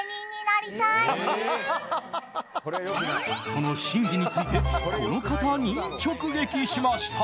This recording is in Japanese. その真偽についてこの方に直撃しました。